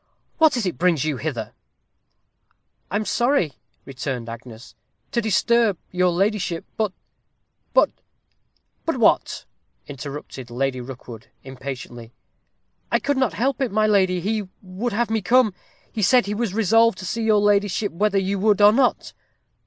"What is it brings you hither?" "I am sorry," returned Agnes, "to disturb your ladyship, but but " "But what?" interrupted Lady Rookwood, impatiently. "I could not help it, my lady he would have me come; he said he was resolved to see your ladyship, whether you would or not."